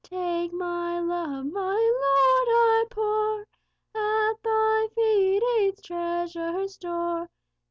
Take my love; my Lord, I pour At Thy feet its treasure store.